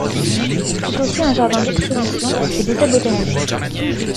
C'est aussi un jardin d'exposition et d'essai botanique.